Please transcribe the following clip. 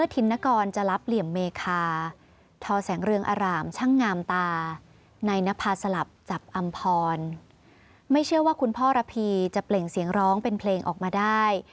ท่านพ่อระภีจะเปล่งเสียงร้องเป็นเพลงออกมาได้